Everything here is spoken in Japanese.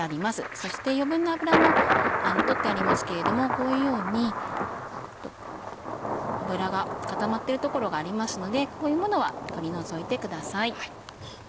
そして余分な脂も取ってありますけれどもこういうように脂が固まってる所がありますのでこういうものは取り除いてください。